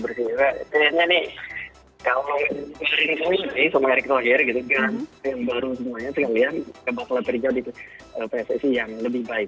sebenarnya nih kalau sering sering sama eric thauhir gitu kan yang baru semuanya sekalian bakal terjadi presesi yang lebih baik